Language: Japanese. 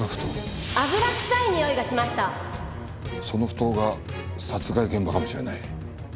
その埠頭が殺害現場かもしれない。